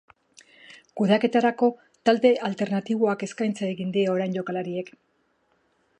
Kudeaketarako talde alternatiboak eskaintza egin die orain jokalariek.